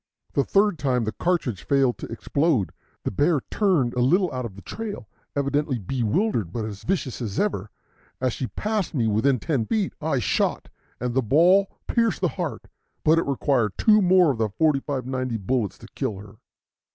The third time the cartridge failed to explode. The bear turned a little out of the trail, evidently bewildered, but as vicious as ever. As she passed me, within ten feet, I shot, and the ball pierced the heart, but it required two more of the 45 90 bullets to kill her.